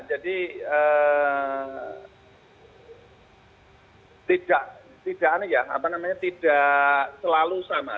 jadi tidak selalu sama